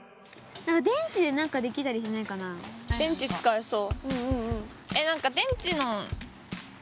電池使えそう。